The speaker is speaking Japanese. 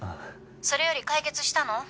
「それより解決したの？